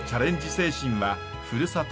精神はふるさと